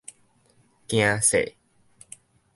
驚世